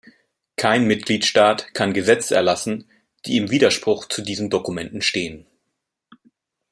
Kein Mitgliedstaat kann Gesetze erlassen, die im Widerspruch zu diesen Dokumenten stehen.